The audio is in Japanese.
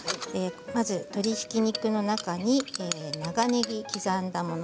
まず鶏ひき肉の中に長ねぎを刻んだもの